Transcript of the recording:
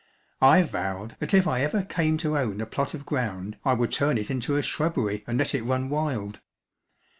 I vowed that if I ever came to own a plot of ground I would turn it into a shrubbery and let it run wild.